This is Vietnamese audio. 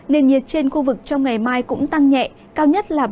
nền nhiệt trên khu vực trong ngày mai cũng tăng nhẹ cao nhất là ba mươi đến ba mươi ba độ